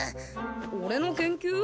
俺の研究？